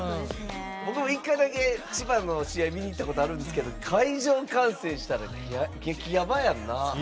僕も１回だけ、千葉の試合見に行ったことあるんですけど会場歓声激やばやんな。